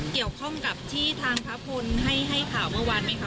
เกี่ยวข้องกับที่ทางพระพลให้ข่าวเมื่อวานไหมคะ